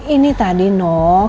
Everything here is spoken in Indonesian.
ini tadi noh